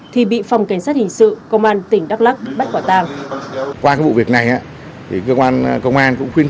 thì bị phòng cảnh sát hình sự công an tỉnh đắk lắc bắt quả tang